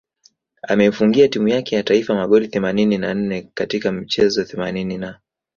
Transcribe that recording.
Ameifungia timu yake ya taifa magoli themanini na nne katika michezo themanini na